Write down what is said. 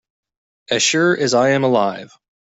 As sure as I am alive.